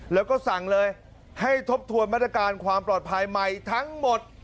แล้วก็สั่งเลยให้ทบทวนมาตรการความปลอดภัยใหม่ทั้งหมด